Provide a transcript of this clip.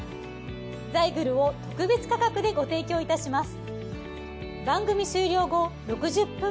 ザイグルを特別価格でご提供いたします。